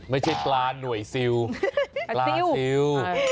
ไม่ใช่ปลาหน่วยซิลปลาซิล